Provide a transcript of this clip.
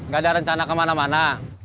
gak ada rencana kemana mana